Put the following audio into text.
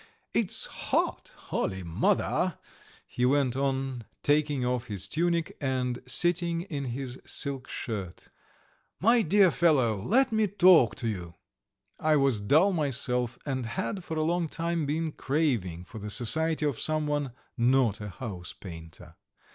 It's hot, Holy Mother," he went on, taking off his tunic and sitting in his silk shirt. "My dear fellow, let me talk to you." I was dull myself, and had for a long time been craving for the society of someone not a house painter.